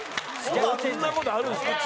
そんな事あるんですか？